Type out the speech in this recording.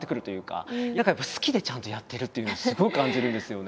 何かやっぱり好きでちゃんとやってるっていうのをすごい感じるんですよね。